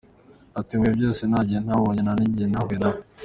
Ati : “Mu bihe byose nta gihe ntababonye , nta n’igihe ntahuye nabo.